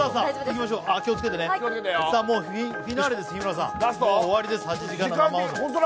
もうフィナーレです、日村さん、もう終わりです、８時間の生放送。